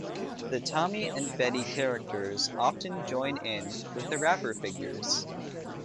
The Tommy and Betty characters often join in with the rapper figures.